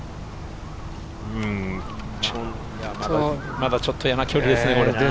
まだちょっと嫌な距離ですね。